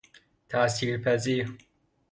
تأثیر پذیر